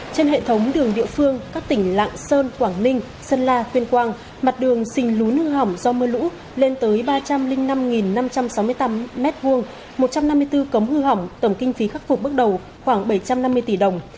trên hệ thống đường địa phương các tỉnh lạng sơn quảng ninh sơn la tuyên quang mặt đường xình lún hư hỏng do mưa lũ lên tới ba trăm linh năm năm trăm sáu mươi tám m hai một trăm năm mươi bốn cống hư hỏng tổng kinh phí khắc phục bước đầu khoảng bảy trăm năm mươi tỷ đồng